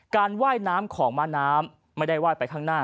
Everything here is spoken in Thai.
การไหว้น้ำของมะน้ำไม่ได้ไหว้ไปข้างหน้า